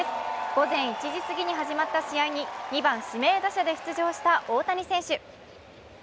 午前１時過ぎに始まった試合に２番・指名打者で出場した大谷選手。